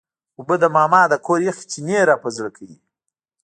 اوبه د ماما د کور یخ چینې راپه زړه کوي.